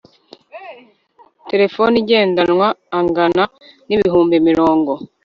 telefone igendanwa angana n ibihumbi mirongo